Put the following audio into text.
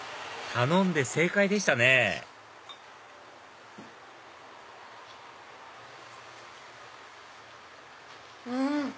頼んで正解でしたねうん！